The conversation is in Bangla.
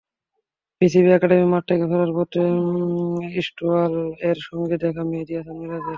বিসিবি একাডেমি মাঠ থেকে ফেরার পথে স্টুয়ার্ট ল-এর সঙ্গে দেখা মেহেদী হাসান মিরাজের।